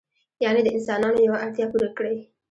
یعنې د انسانانو یوه اړتیا پوره کړي.